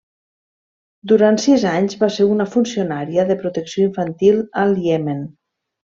Durant sis anys va ser una funcionària de protecció infantil al Iemen.